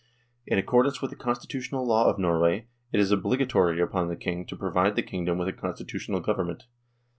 " In accordance with the Constitutional Law of Norway, it is obligatory upon the King of Norway to provide the kingdom with a constitutional Govern ment.